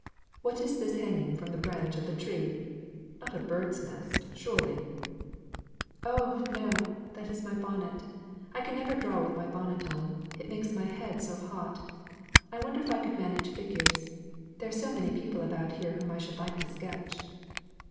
What is this hanging from the branch of the tree? Not a bird's nest, surely." "Oh no! that is my bonnet. I never can draw with my bonnet on; it makes my head so hot. I wonder if I could manage figures. There are so many people about here whom I should like to sketch."